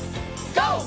ＧＯ！